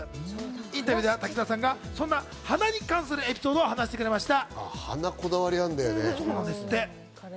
インタビューでは滝沢さんがそんな鼻に関するエピソードを話してくれました。